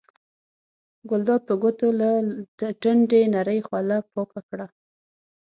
ګلداد په ګوتو له تندي نرۍ خوله پاکه کړه.